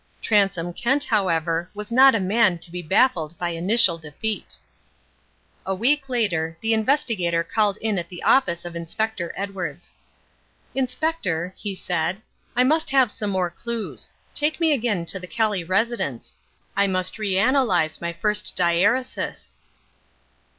Transome Kent, however, was not a man to be baffled by initial defeat. A week later, the Investigator called in at the office of Inspector Edwards. "Inspector," he said, "I must have some more clues. Take me again to the Kelly residence. I must re analyse my first diæresis."